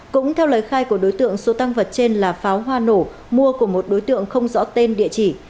cũng theo lời khai của đối tượng số tăng vật trên là pháo hoa nổ mua của một đối tượng không rõ tên địa chỉ